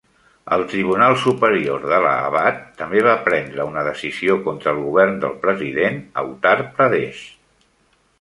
El Tribunal Superior d'Allahabad també va prendre una decisió contra el Govern del president a Uttar Pradesh.